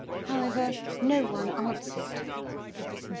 However, no one answered.